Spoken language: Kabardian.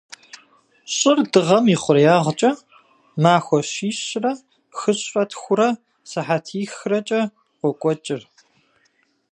Щӏыр Дыгъэм и хъуреягъкӏэ махуэ щищрэ хыщӏрэ тхурэ сыхьэтихрэкӏэ къокӏуэкӏыр.